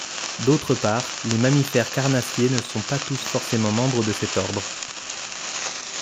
D'autre part, les mammifères carnassiers ne sont pas tous forcément membres de cet ordre.